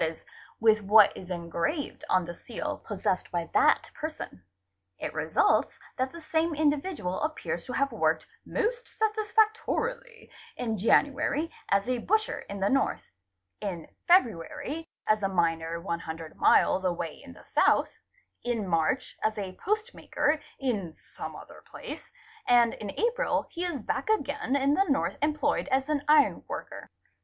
with what is engraved on the seal possessed by that person; it results that the same 'individual appears to have worked 'most satisfactorily'"' in January as a | butcher in the north, in February as a miner 100 miles away in the south, in March as a post maker in some other place, and in April he is back again in the north employed as an iron worker.